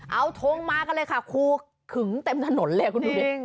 เอาทงมากันเลยค่ะครูขึงเต็มถนนเลยคุณดูดิ